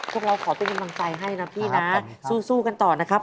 พวกเราขอเป็นกำลังใจให้นะพี่นะสู้กันต่อนะครับ